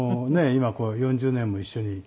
今こう４０年も一緒に。